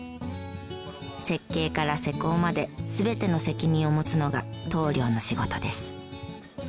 設計から施工まで全ての責任を持つのが棟梁の仕事です。